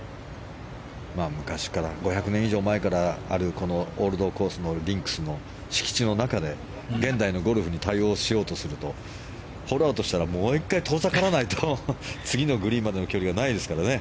５００年以上前からあるこのオールドコースのリンクスの敷地の中で現代のゴルフに対応しようとするとホールアウトしたらもう１回遠ざからないと次のグリーンまでの距離はないですからね。